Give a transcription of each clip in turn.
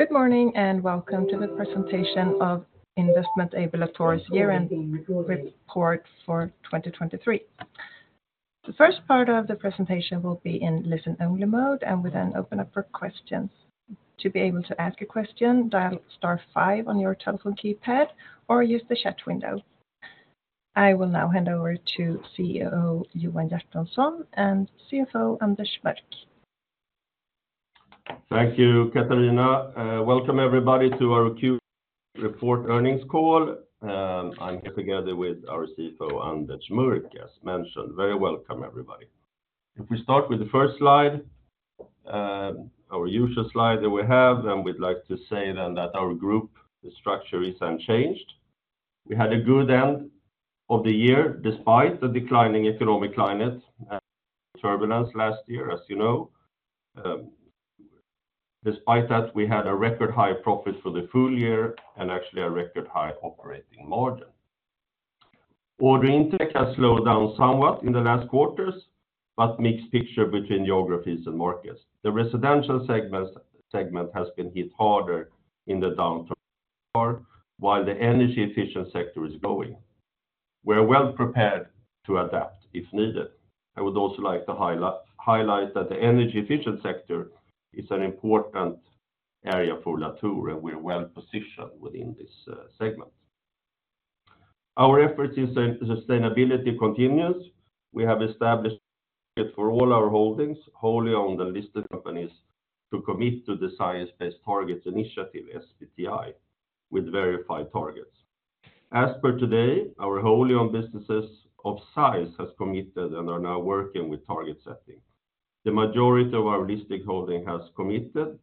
Good morning and welcome to the presentation of Investment AB Latour's year-end report for 2023. The first part of the presentation will be in listen-only mode, and we then open up for questions. To be able to ask a question, dial star 5 on your telephone keypad or use the chat window. I will now hand over to CEO Johan Hjertonsson and CFO Anders Mörck. Thank you, Katarina. Welcome everybody to our Q&A report earnings call. I'm here together with our CFO Anders Mörck, as mentioned. Very welcome, everybody. If we start with the first slide, our usual slide that we have, and we'd like to say then that our group, the structure is unchanged. We had a good end of the year despite the declining economic climate and turbulence last year, as you know. Despite that, we had a record high profit for the full year and actually a record high operating margin. Order intake has slowed down somewhat in the last quarters, but mixed picture between geographies and markets. The residential segment has been hit harder in the downturn, while the energy-efficient sector is growing. We're well prepared to adapt if needed. I would also like to highlight that the energy-efficient sector is an important area for Latour, and we're well positioned within this segment. Our efforts in sustainability continues. We have established a target for all our holdings, wholly owned and listed companies, to commit to the Science-Based Targets Initiative, SBTI, with verified targets. As per today, our wholly owned businesses of size have committed and are now working with target setting. The majority of our listed holding has committed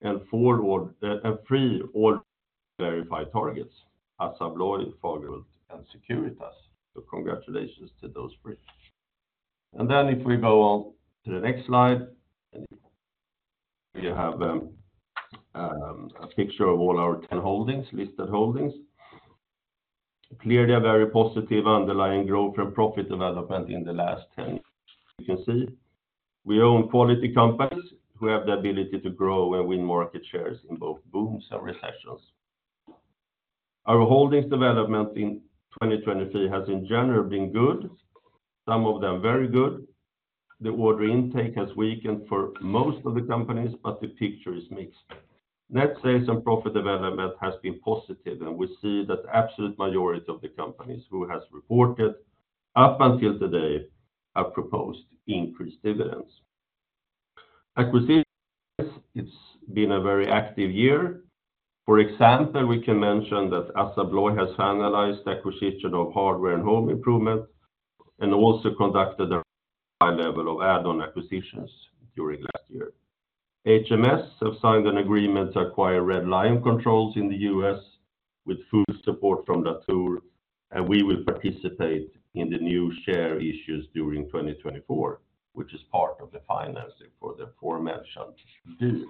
and three all-verified targets: Assa Abloy, Fagerhult, and Securitas. So congratulations to those three. And then if we go on to the next slide, we have a picture of all our 10 holdings, listed holdings. Clearly, a very positive underlying growth from profit development in the last 10 years, as you can see. We own quality companies who have the ability to grow and win market shares in both booms and recessions. Our holdings development in 2023 has in general been good, some of them very good. The order intake has weakened for most of the companies, but the picture is mixed. Net sales and profit development has been positive, and we see that the absolute majority of the companies who have reported up until today have proposed increased dividends. Acquisitions, it's been a very active year. For example, we can mention that ASSA ABLOY has finalized the acquisition of Hardware and Home Improvement and also conducted a high level of add-on acquisitions during last year. HMS have signed an agreement to acquire Red Lion Controls in the U.S. with full support from Latour, and we will participate in the new share issues during 2024, which is part of the financing for the aforementioned deal.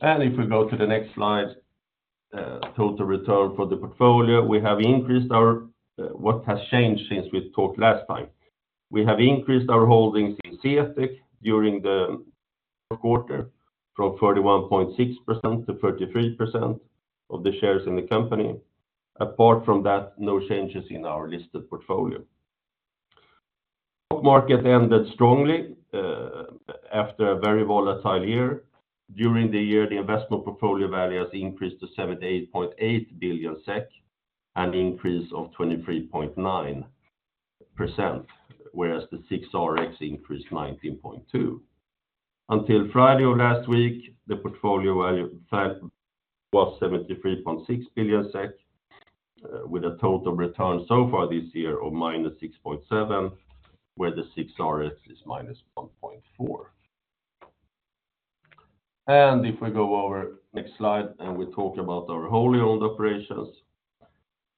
If we go to the next slide, total return for the portfolio, we have increased our what has changed since we talked last time. We have increased our holdings in CTEK during the fourth quarter from 31.6% to 33% of the shares in the company. Apart from that, no changes in our listed portfolio. Stock market ended strongly after a very volatile year. During the year, the investment portfolio value has increased to 78.8 billion SEK, an increase of 23.9%, whereas the SIX RX increased 19.2%. Until Friday of last week, the portfolio value fell to 73.6 billion SEK, with a total return so far this year of -6.7%, where the SIX RX is -1.4%. If we go over to the next slide and we talk about our wholly owned operations,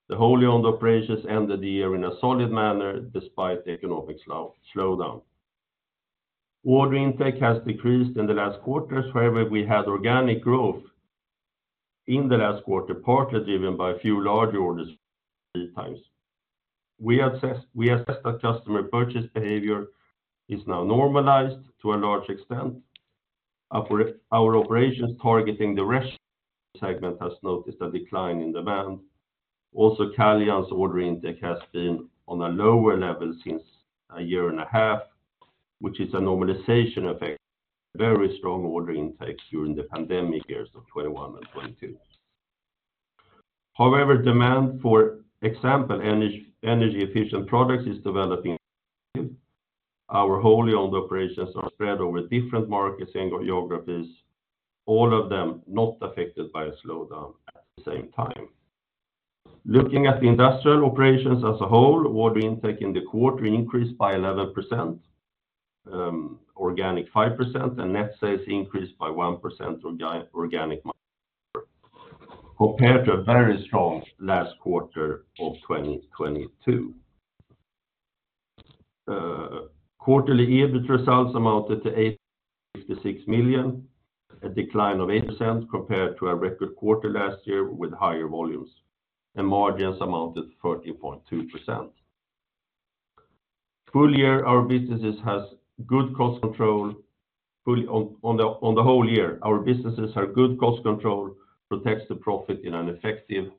the wholly owned operations ended the year in a solid manner despite the economic slowdown. Order intake has decreased in the last quarter. However, we had organic growth in the last quarter, partly driven by a few larger orders three times. We assessed that customer purchase behavior is now normalized to a large extent. Our operations targeting the residential segment have noticed a decline in demand. Also, Caljan's order intake has been on a lower level since a year and a half, which is a normalization effect of very strong order intake during the pandemic years of 2021 and 2022. However, demand for, for example, energy-efficient products is developing. Our wholly owned operations are spread over different markets and geographies, all of them not affected by a slowdown at the same time. Looking at the industrial operations as a whole, order intake in the quarter increased by 11%, organic 5%, and net sales increased by 1% organic market share compared to a very strong last quarter of 2022. Quarterly EBIT results amounted to 856 million, a decline of 8% compared to a record quarter last year with higher volumes. Margins amounted to 13.2%. Full year, our businesses have good cost control. On the whole year, our businesses have good cost control, protects the profit in an effective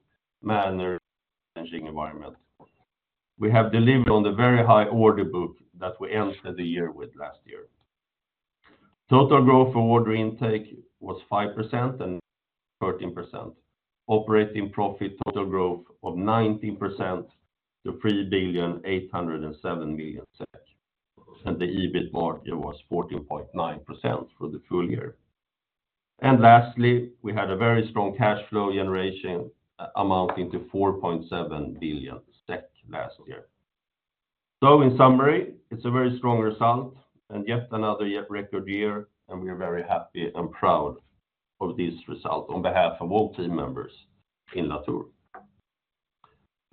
manner in an environment. We have delivered on the very high order book that we entered the year with last year. Total growth for order intake was 5% and 13%, operating profit total growth of 19% to 3,807,000,000. The EBIT margin was 14.9% for the full year. And lastly, we had a very strong cash flow generation amounting to 4.7 billion SEK last year. So in summary, it's a very strong result and yet another record year. And we're very happy and proud of this result on behalf of all team members in Latour.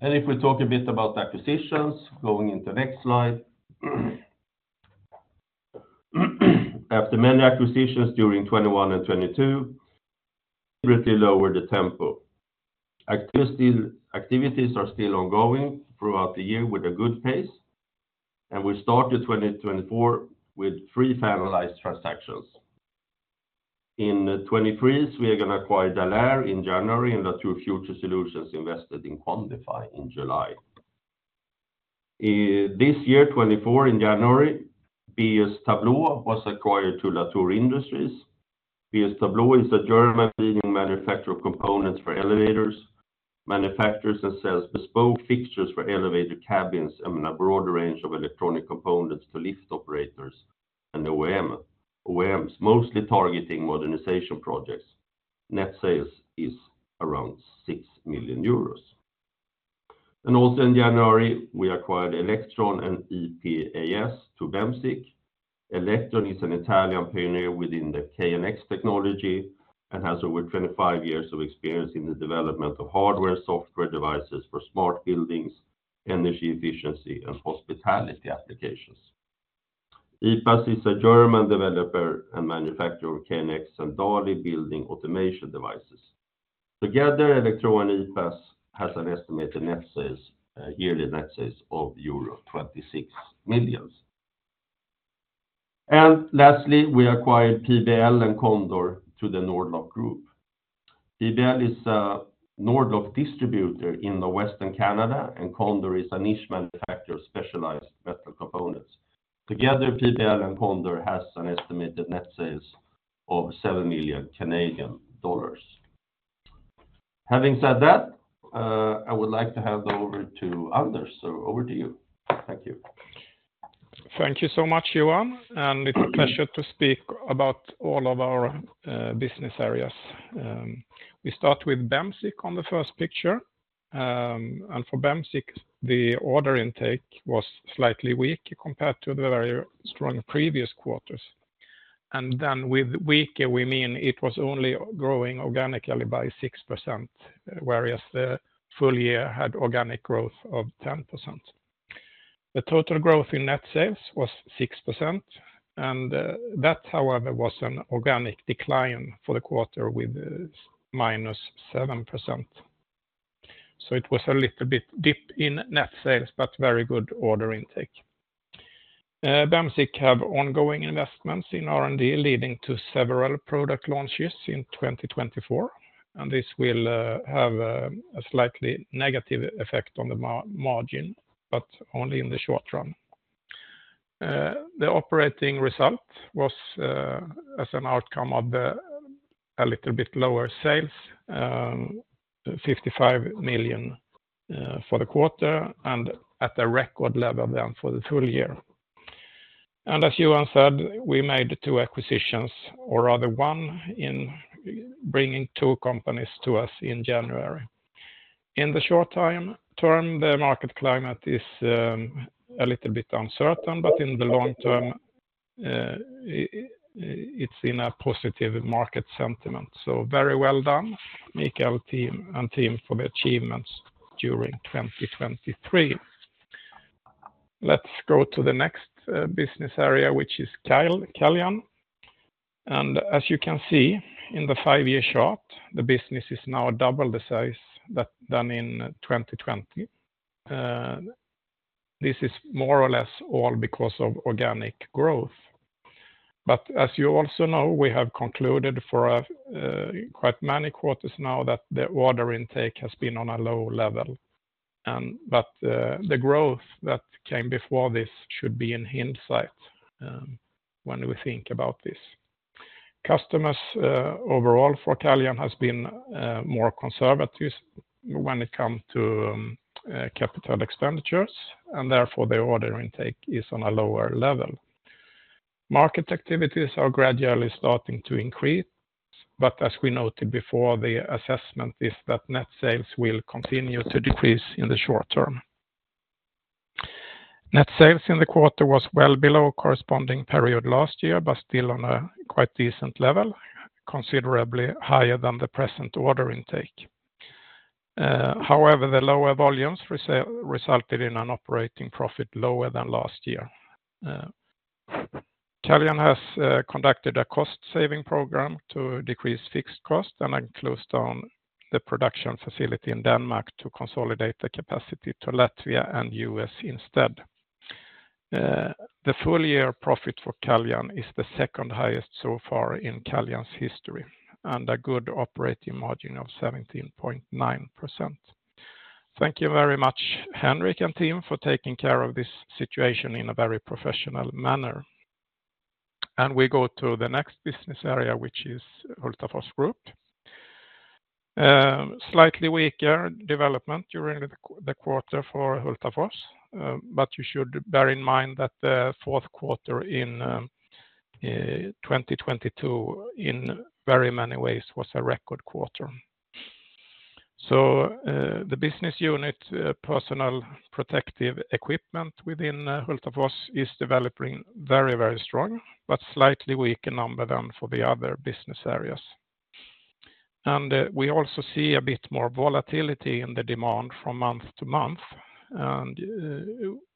And if we talk a bit about acquisitions, going into the next slide. After many acquisitions during 2021 and 2022, we deliberately lowered the tempo. Activities are still ongoing throughout the year with a good pace. And we started 2024 with three finalized transactions. In 2023, we are going to acquire Dalair in January and Latour Future Solutions invested in Quantify in July. This year, 2024, in January, Baste & Scholer was acquired to Latour Industries. & Scholer is a German leading manufacturer of components for elevators, manufactures, and sells bespoke fixtures for elevator cabins and a broader range of electronic components to lift operators and OEMs, mostly targeting modernization projects. Net sales is around 6 million euros. Also in January, we acquired Eelectron and Epas to Bemsiq. Eelectron is an Italian pioneer within the KNX technology and has over 25 years of experience in the development of hardware and software devices for smart buildings, energy efficiency, and hospitality applications. Epas is a German developer and manufacturer of KNX and DALI building automation devices. Together, Eelectron and Epas have an estimated yearly net sales of euro 26 million. Lastly, we acquired PBL and Condor to the Nord-Lock Group. PBL is a Nord-Lock distributor in northwestern Canada, and Condor is a niche manufacturer of specialized metal components. Together, P.B.L. and Condor have an estimated net sales of 7 million Canadian dollars. Having said that, I would like to hand over to Anders. So over to you. Thank you. Thank you so much, Johan. It's a pleasure to speak about all of our business areas. We start with Bemsiq on the first picture. For Bemsiq, the order intake was slightly weak compared to the very strong previous quarters. Then with weaker, we mean it was only growing organically by 6%, whereas the full year had organic growth of 10%. The total growth in net sales was 6%. That, however, was an organic decline for the quarter with -7%. It was a little bit dip in net sales, but very good order intake. Bemsiq has ongoing investments in R&D leading to several product launches in 2024. This will have a slightly negative effect on the margin, but only in the short run. The operating result was, as an outcome of a little bit lower sales, 55 million for the quarter and at a record level then for the full year. And as Johan said, we made two acquisitions, or rather one, in bringing two companies to us in January. In the short term, the market climate is a little bit uncertain, but in the long term, it's in a positive market sentiment. So very well done, Mikael and team for the achievements during 2023. Let's go to the next business area, which is Caljan. And as you can see, in the five-year chart, the business is now double the size than in 2020. This is more or less all because of organic growth. But as you also know, we have concluded for quite many quarters now that the order intake has been on a low level. But the growth that came before this should be in hindsight when we think about this. Customers overall for Caljan have been more conservative when it comes to capital expenditures. And therefore, the order intake is on a lower level. Market activities are gradually starting to increase. But as we noted before, the assessment is that net sales will continue to decrease in the short term. Net sales in the quarter was well below corresponding period last year, but still on a quite decent level, considerably higher than the present order intake. However, the lower volumes resulted in an operating profit lower than last year. Caljan has conducted a cost-saving program to decrease fixed costs and closed down the production facility in Denmark to consolidate the capacity to Latvia and the U.S. instead. The full-year profit for Caljan is the second highest so far in Caljan's history and a good operating margin of 17.9%. Thank you very much, Henrik and team, for taking care of this situation in a very professional manner. We go to the next business area, which is Hultafors Group. Slightly weaker development during the quarter for Hultafors. You should bear in mind that the fourth quarter in 2022, in very many ways, was a record quarter. The business unit, personal protective equipment within Hultafors, is developing very, very strong, but slightly weaker number than for the other business areas. We also see a bit more volatility in the demand from month to month.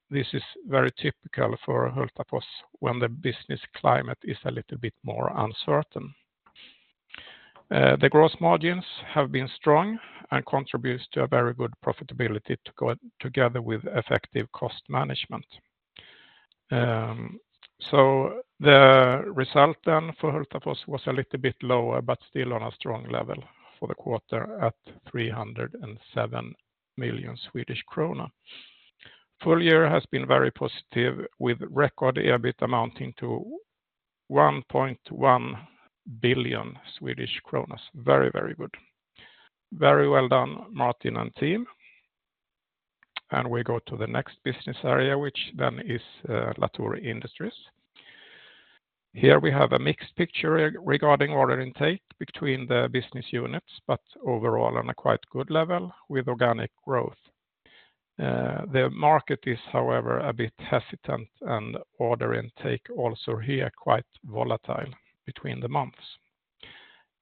This is very typical for Hultafors when the business climate is a little bit more uncertain. The gross margins have been strong and contribute to a very good profitability together with effective cost management. So the result then for Hultafors was a little bit lower, but still on a strong level for the quarter at 307 million Swedish krona. Full year has been very positive, with record EBIT amounting to 1.1 billion Swedish kronor. Very, very good. Very well done, Martin and team. And we go to the next business area, which then is Latour Industries. Here we have a mixed picture regarding order intake between the business units, but overall on a quite good level with organic growth. The market is, however, a bit hesitant, and order intake also here quite volatile between the months.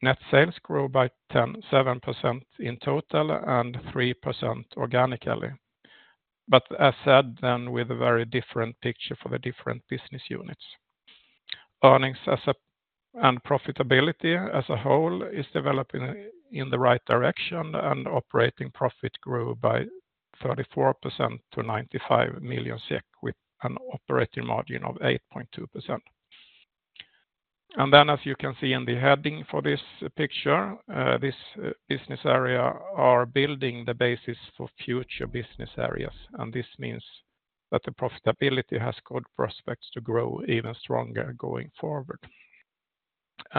Net sales grew by 7% in total and 3% organically. But as said, then with a very different picture for the different business units. Earnings and profitability as a whole is developing in the right direction, and operating profit grew by 34% to 95 million SEK with an operating margin of 8.2%. Then, as you can see in the heading for this picture, this business area is building the basis for future business areas. This means that the profitability has good prospects to grow even stronger going forward.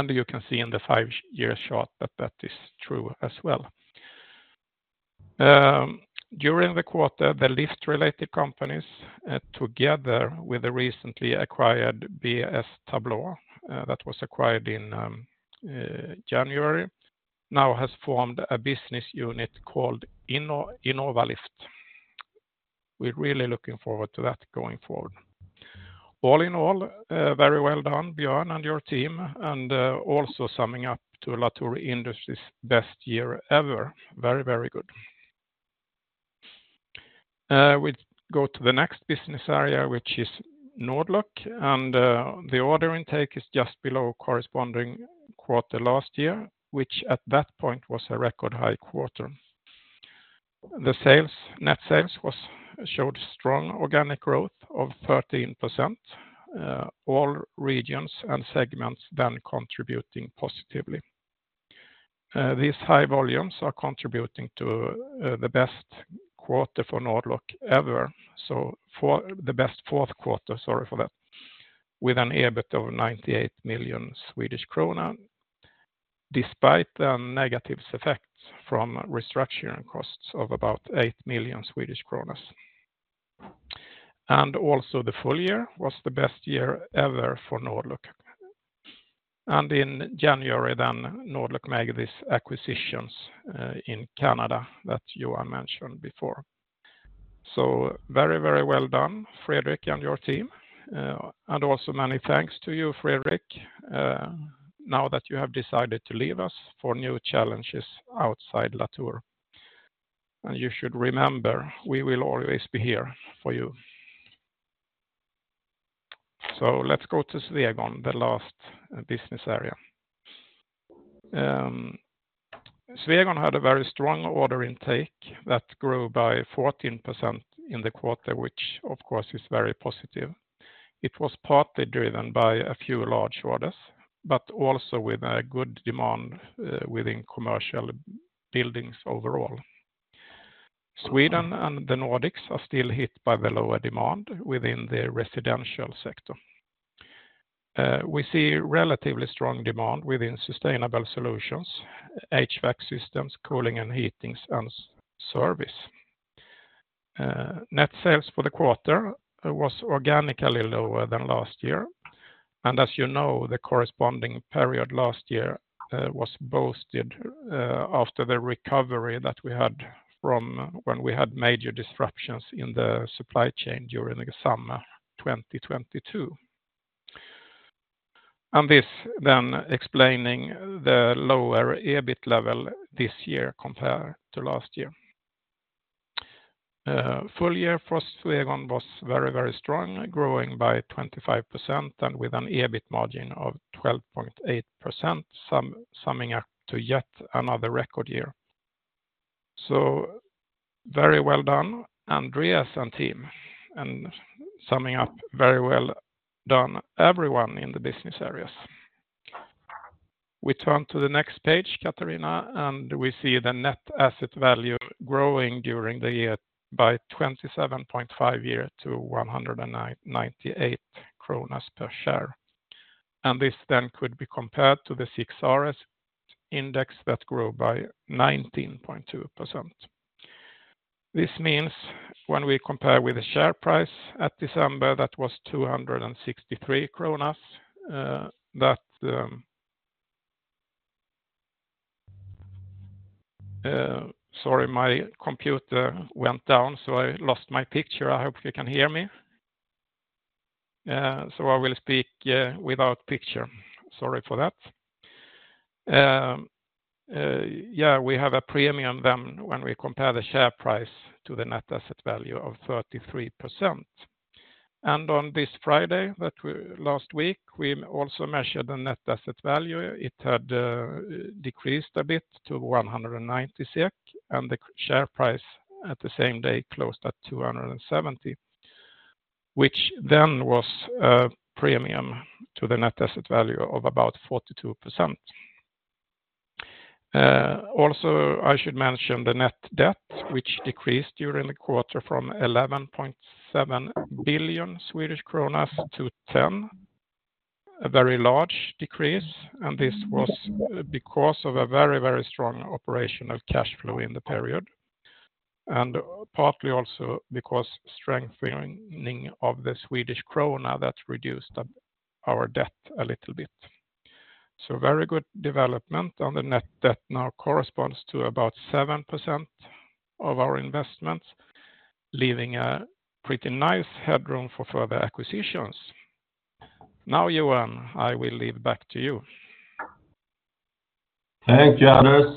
You can see in the five-year chart that that is true as well. During the quarter, the lift-related companies, together with the recently acquired Baste & Scholer that was acquired in January, now have formed a business unit called InnovaLift. We're really looking forward to that going forward. All in all, very well done, Björn and your team. This also sums up to Latour Industries' best year ever. Very, very good. We go to the next business area, which is Nord-Lock. The order intake is just below corresponding quarter last year, which at that point was a record high quarter. The net sales showed strong organic growth of 13%, all regions and segments then contributing positively. These high volumes are contributing to the best quarter for Nord-Lock ever, so the best fourth quarter, sorry for that, with an EBIT of 98 million Swedish krona, despite the negative effect from restructuring costs of about SEK 8 million. Also the full year was the best year ever for Nord-Lock. In January, then Nord-Lock made these acquisitions in Canada that Johan mentioned before. So very, very well done, Fredrik and your team. Also many thanks to you, Fredrik, now that you have decided to leave us for new challenges outside Latour. You should remember, we will always be here for you. So let's go to Swegon, the last business area. Swegon had a very strong order intake that grew by 14% in the quarter, which, of course, is very positive. It was partly driven by a few large orders, but also with a good demand within commercial buildings overall. Sweden and the Nordics are still hit by the lower demand within the residential sector. We see relatively strong demand within sustainable solutions, HVAC systems, cooling and heating services. Net sales for the quarter was organically lower than last year. And as you know, the corresponding period last year was boosted after the recovery that we had from when we had major disruptions in the supply chain during the summer 2022. And this then explaining the lower EBIT level this year compared to last year. Full year for Swegon was very, very strong, growing by 25% and with an EBIT margin of 12.8%, summing up to yet another record year. So very well done, Andreas and team, and summing up, very well done everyone in the business areas. We turn to the next page, Katarina, and we see the Net Asset Value growing during the year by 27.5% to 198 kronor per share. And this then could be compared to the SIX RX that grew by 19.2%. This means when we compare with the share price at December that was 263 kronor, that sorry, my computer went down, so I lost my picture. I hope you can hear me. So I will speak without picture. Sorry for that. Yeah, we have a premium then when we compare the share price to the Net Asset Value of 33%. On this Friday last week, we also measured the net asset value. It had decreased a bit to 190 SEK, and the share price at the same day closed at 270, which then was a premium to the net asset value of about 42%. Also, I should mention the net debt, which decreased during the quarter from 11.7 billion Swedish kronor to 10 billion, a very large decrease. This was because of a very, very strong operational cash flow in the period, and partly also because strengthening of the Swedish kronor that reduced our debt a little bit. So very good development. The net debt now corresponds to about 7% of our investments, leaving a pretty nice headroom for further acquisitions. Now, Johan, I will leave back to you. Thank you, Anders.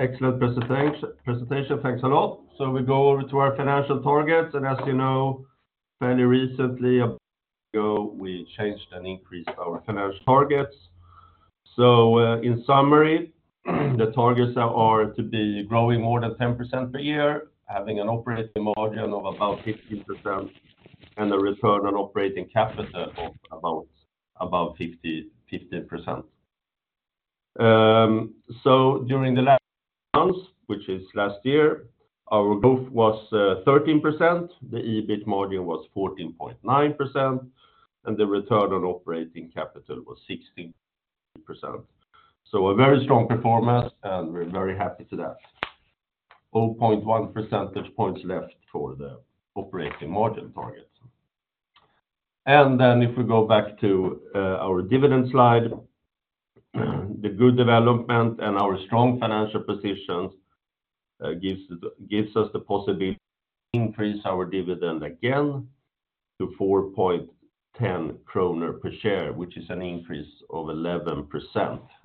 Excellent presentation. Thanks a lot. So we go over to our financial targets. As you know, fairly recently, a month ago, we changed and increased our financial targets. So in summary, the targets are to be growing more than 10% per year, having an operating margin of about 15%, and a return on operating capital of about 15%. So during the last months, which is last year, our growth was 13%. The EBIT margin was 14.9%, and the return on operating capital was 16%. So a very strong performance, and we're very happy to that. 0.1 percentage points left for the operating margin target. And then if we go back to our dividend slide, the good development and our strong financial positions gives us the possibility to increase our dividend again to 4.10 kronor per share, which is an increase of 11%.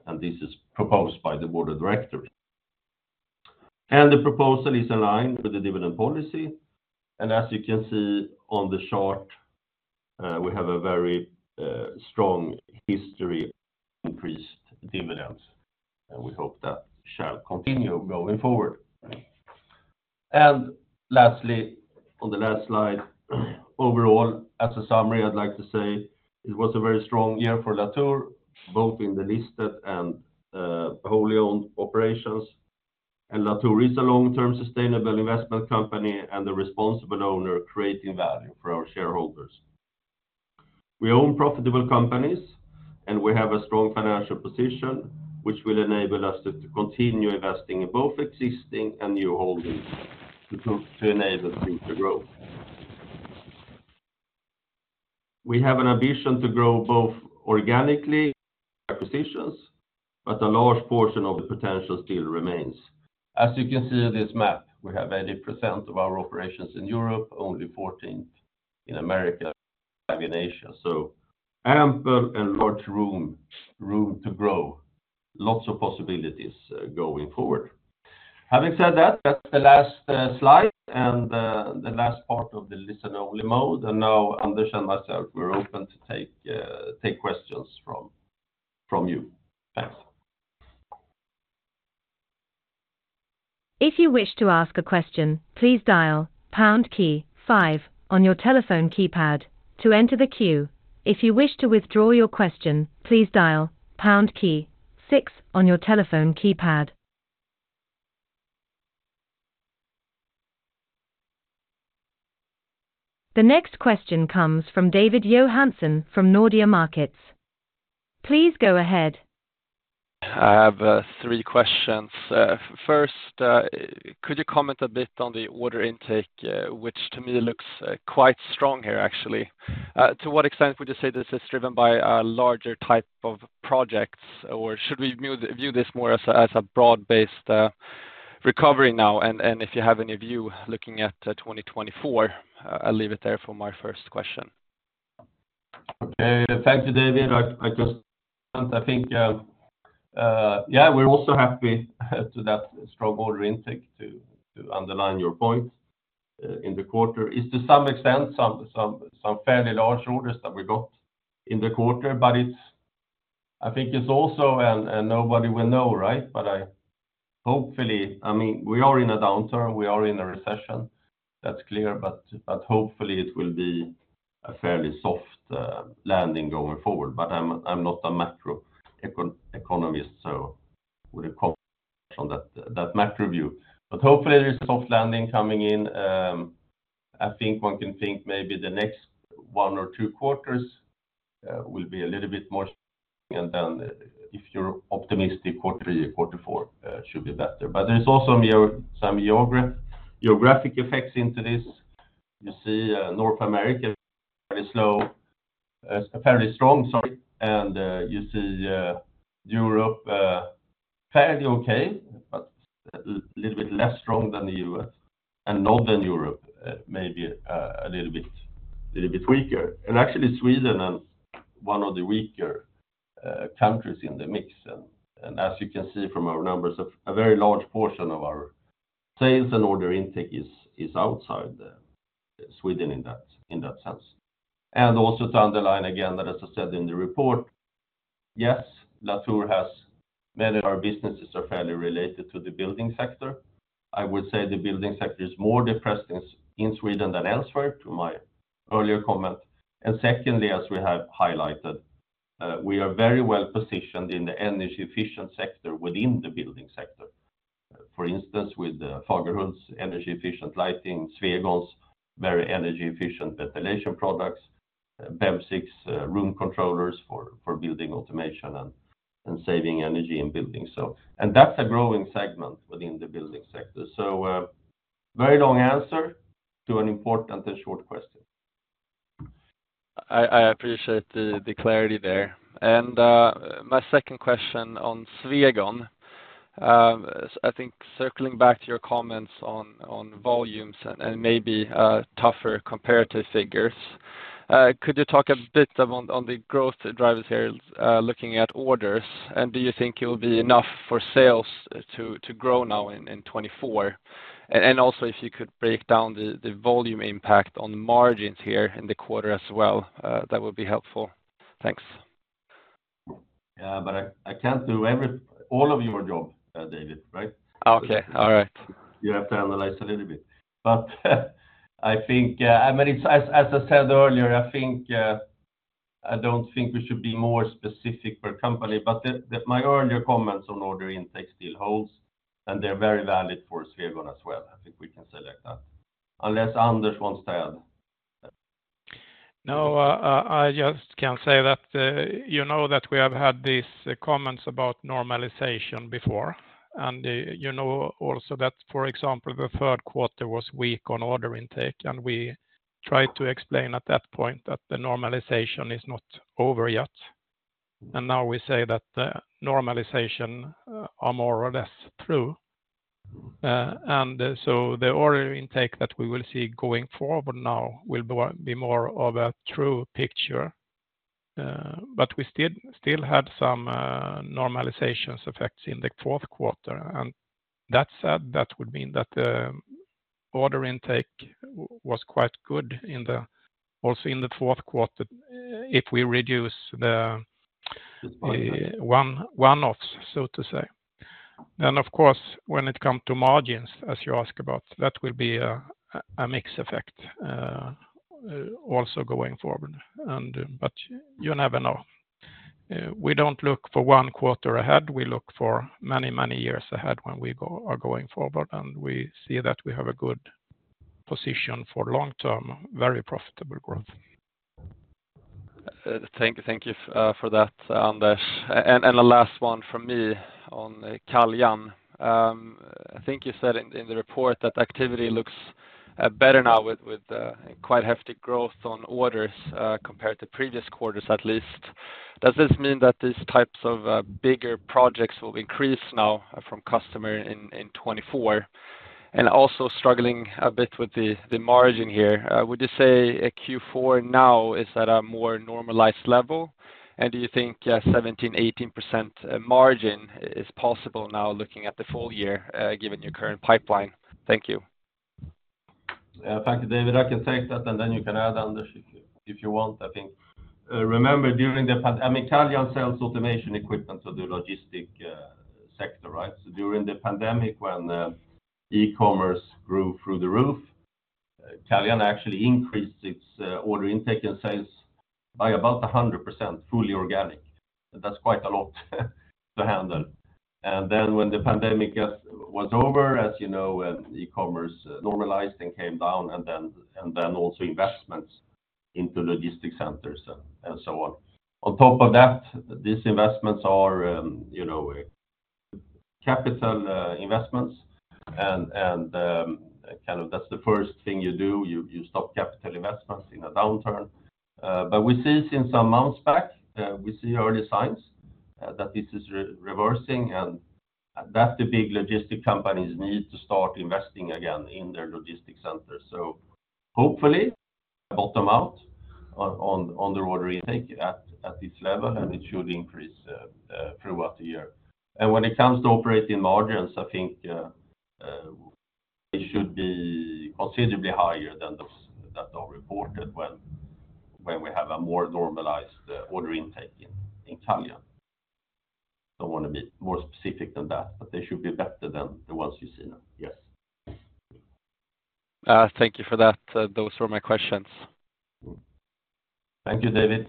And this is proposed by the board of directors. And the proposal is in line with the dividend policy. As you can see on the chart, we have a very strong history of increased dividends. We hope that shall continue going forward. Lastly, on the last slide, overall, as a summary, I'd like to say it was a very strong year for Latour, both in the listed and wholly owned operations. Latour is a long-term sustainable investment company and a responsible owner creating value for our shareholders. We own profitable companies, and we have a strong financial position, which will enable us to continue investing in both existing and new holdings to enable future growth. We have an ambition to grow both organically and acquisitions, but a large portion of the potential still remains. As you can see on this map, we have 80% of our operations in Europe, only 14% in America, and 5% in Asia. So ample and large room to grow, lots of possibilities going forward. Having said that, that's the last slide and the last part of the listen-only mode. And now, Anders and myself, we're open to take questions from you. Thanks. If you wish to ask a question, please dial pound key 5 on your telephone keypad to enter the queue. If you wish to withdraw your question, please dial pound key 6 on your telephone keypad. The next question comes from David Johansson from Nordea Markets. Please go ahead. I have three questions. First, could you comment a bit on the order intake, which to me looks quite strong here, actually? To what extent would you say this is driven by a larger type of projects, or should we view this more as a broad-based recovery now? And if you have any view looking at 2024, I'll leave it there for my first question. Okay. Thank you, David. I just want, I think, yeah, we're also happy to that strong order intake to underline your point in the quarter. It's to some extent some fairly large orders that we got in the quarter. But I think it's also a, nobody will know, right? But hopefully, I mean, we are in a downturn. We are in a recession. That's clear. But hopefully, it will be a fairly soft landing going forward. But I'm not a macro economist, so wouldn't comment on that macro view. But hopefully, there is a soft landing coming in. I think one can think maybe the next one or two quarters will be a little bit more. And then if you're optimistic, quarter three, quarter four should be better. But there's also some geographic effects into this. You see North America fairly strong, sorry. And you see Europe fairly okay, but a little bit less strong than the U.S. and Northern Europe, maybe a little bit weaker. And actually, Sweden is one of the weaker countries in the mix. And as you can see from our numbers, a very large portion of our sales and order intake is outside Sweden in that sense. And also to underline again, as I said in the report, yes, Latour has many. Our businesses are fairly related to the building sector. I would say the building sector is more depressed in Sweden than elsewhere, to my earlier comment. And secondly, as we have highlighted, we are very well positioned in the energy-efficient sector within the building sector. For instance, with Fagerhult's energy-efficient lighting, Swegon's very energy-efficient ventilation products, BEV6 room controllers for building automation and saving energy in buildings. That's a growing segment within the building sector. Very long answer to an important and short question. I appreciate the clarity there. My second question on Swegon, I think circling back to your comments on volumes and maybe tougher comparative figures, could you talk a bit about the growth drivers here looking at orders? And do you think it will be enough for sales to grow now in 2024? And also, if you could break down the volume impact on margins here in the quarter as well, that would be helpful. Thanks. Yeah, but I can't do all of your job, David, right? Okay. All right. You have to analyze a little bit. But I think, I mean, as I said earlier, I don't think we should be more specific per company. But my earlier comments on order intake still holds, and they're very valid for Swegon as well. I think we can select that unless Anders wants to add. No, I just can say that you know that we have had these comments about normalization before. And you know also that, for example, the third quarter was weak on order intake. And we tried to explain at that point that the normalization is not over yet. And now we say that the normalization is more or less true. And so the order intake that we will see going forward now will be more of a true picture. But we still had some normalization effects in the fourth quarter. And that said, that would mean that the order intake was quite good also in the fourth quarter if we reduce the one-offs, so to say. Then, of course, when it comes to margins, as you ask about, that will be a mix effect also going forward. But you never know. We don't look for one quarter ahead. We look for many, many years ahead when we are going forward. And we see that we have a good position for long-term, very profitable growth. Thank you for that, Anders. And the last one from me on Caljan. I think you said in the report that activity looks better now with quite hefty growth on orders compared to previous quarters, at least. Does this mean that these types of bigger projects will increase now from customer in 2024? And also struggling a bit with the margin here, would you say Q4 now is at a more normalized level? And do you think a 17%-18% margin is possible now looking at the full year, given your current pipeline? Thank you. Yeah, thank you, David. I can take that. And then you can add, Anders, if you want, I think. Remember, during the pandemic, Caljan sells automation equipment to the logistic sector, right? So during the pandemic, when e-commerce grew through the roof, Caljan actually increased its order intake and sales by about 100%, fully organic. That's quite a lot to handle. And then when the pandemic was over, as you know, e-commerce normalized and came down, and then also investments into logistic centers and so on. On top of that, these investments are capital investments. And kind of that's the first thing you do. You stop capital investments in a downturn. But we see in some months back, we see early signs that this is reversing. And that's the big logistic companies need to start investing again in their logistic centers. So hopefully. Bottom out on the order intake at this level, and it should increase throughout the year. And when it comes to operating margins, I think they should be considerably higher than those that are reported when we have a more normalized order intake in Caljan. Don't want to be more specific than that, but they should be better than the ones you see now. Yes. Thank you for that. Those were my questions. Thank you, David.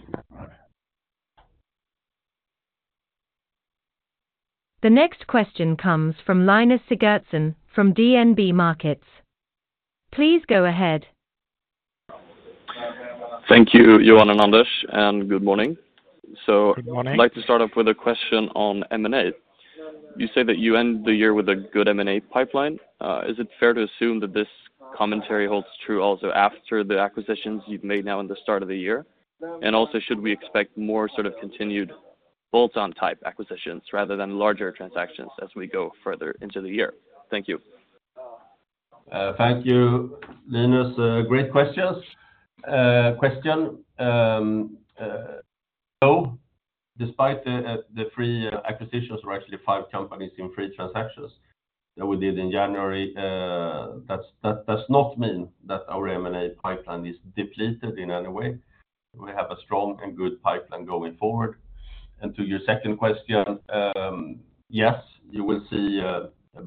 The next question comes from Linus Sigurdsson from DNB Markets. Please go ahead. Thank you, Johan and Anders, and good morning. So I'd like to start off with a question on M&A. You say that you end the year with a good M&A pipeline. Is it fair to assume that this commentary holds true also after the acquisitions you've made now in the start of the year? And also, should we expect more sort of continued bolt-on type acquisitions rather than larger transactions as we go further into the year? Thank you. Thank you, Linus. Great question. Yes. Despite the recent acquisitions, there are actually five companies in recent transactions that we did in January. That does not mean that our M&A pipeline is depleted in any way. We have a strong and good pipeline going forward. And to your second question, yes, you will see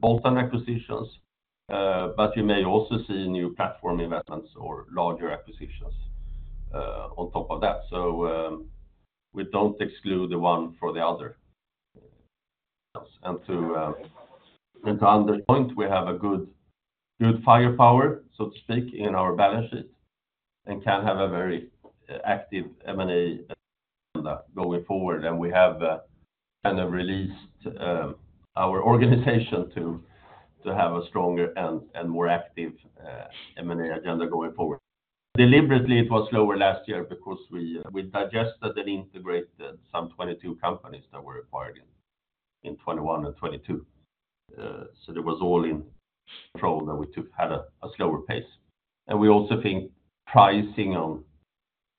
bolt-on acquisitions. But you may also see new platform investments or larger acquisitions on top of that. So we don't exclude the one for the other. To Anders' point, we have a good firepower, so to speak, in our balance sheet and can have a very active M&A agenda going forward. We have kind of released our organization to have a stronger and more active M&A agenda going forward. Deliberately, it was slower last year because we digested and integrated some 22 companies that were acquired in 2021 and 2022. So it was all in control that we had a slower pace. We also think pricing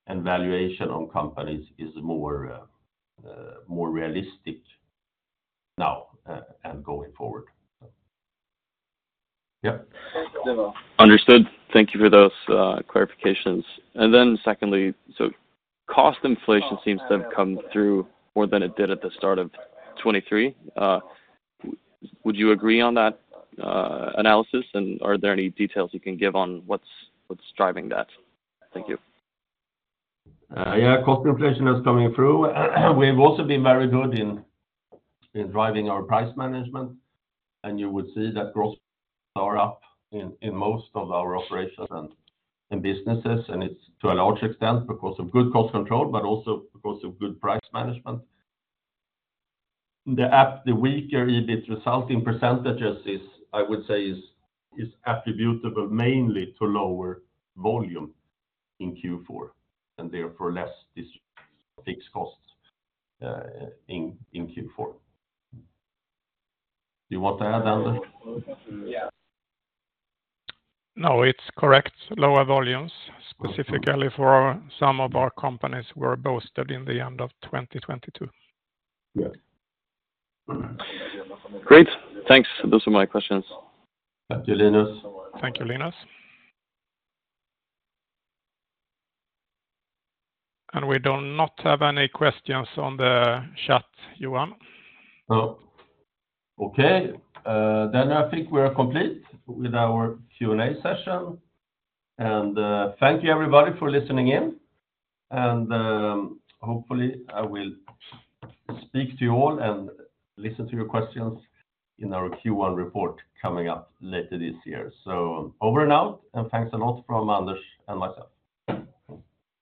and valuation on companies is more realistic now and going forward. Yeah. Understood. Thank you for those clarifications. Then secondly, so cost inflation seems to have come through more than it did at the start of 2023. Would you agree on that analysis? And are there any details you can give on what's driving that? Thank you. Yeah, cost inflation is coming through. We have also been very good in driving our price management. And you would see that gross are up in most of our operations and businesses. And it's to a large extent because of good cost control, but also because of good price management. The weaker EBIT resulting percentages, I would say, is attributable mainly to lower volume in Q4 and therefore less fixed costs in Q4. Do you want to add, Anders? Yes. No, it's correct. Lower volumes, specifically for some of our companies were boosted in the end of 2022. Yes. Great. Thanks. Those are my questions. Thank you, Linus. Thank you, Linus.And we do not have any questions on the chat, Johan. Okay. Then I think we are complete with our Q&A session. And thank you, everybody, for listening in. Hopefully, I will speak to you all and listen to your questions in our Q1 report coming up later this year. Over and out, and thanks a lot from Anders and myself.